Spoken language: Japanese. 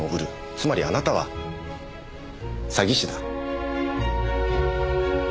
つまりあなたは詐欺師だ。